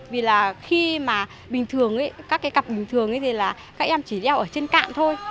vì là khi mà bình thường các cái cặp bình thường thì là các em chỉ đeo ở trên cạn thôi